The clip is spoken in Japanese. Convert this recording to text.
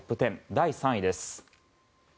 第３位です。